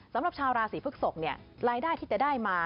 สำหรับชาวราศีพฤกษกรายได้ที่จะได้มา